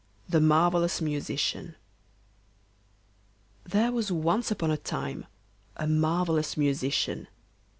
THE MARVELLOUS MUSICIAN There was once upon a time a marvellous musician.